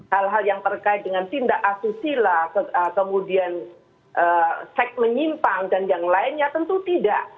hal hal yang terkait dengan tindak asusila kemudian seks menyimpang dan yang lainnya tentu tidak